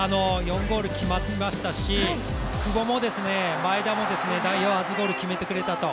４ゴール決まりましたし、久保も前田も代表初ゴール決めてくれたと。